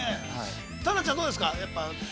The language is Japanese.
タナちゃん、どうですか。